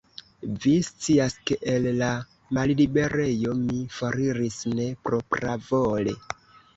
Vi scias, ke el la malliberejo mi foriris ne propravole.